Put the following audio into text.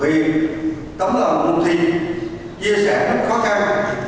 vì tấm lòng cùng thi chia sẻ những khó khăn